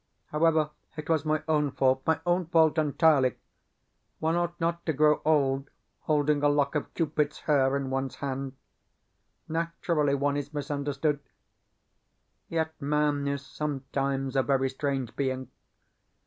However, it was my own fault my own fault entirely. One ought not to grow old holding a lock of Cupid's hair in one's hand. Naturally one is misunderstood.... Yet man is sometimes a very strange being.